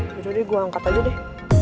ya udah gua angkat aja deh